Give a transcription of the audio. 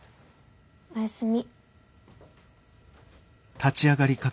おやすみ。